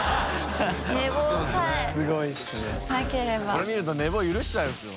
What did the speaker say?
これ見ると寝坊許しちゃいますよ。